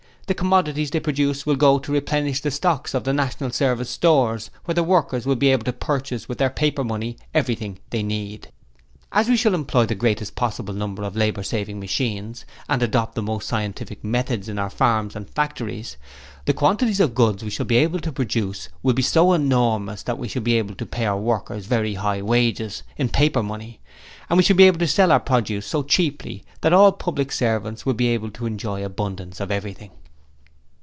The commodities they produce will go to replenish the stocks of the National Service Stores, where the workers will be able to purchase with their paper money everything they need. 'As we shall employ the greatest possible number of labour saving machines, and adopt the most scientific methods in our farms and factories, the quantities of goods we shall be able to produce will be so enormous that we shall be able to pay our workers very high wages in paper money and we shall be able to sell our produce so cheaply, that all public servants will be able to enjoy abundance of everything.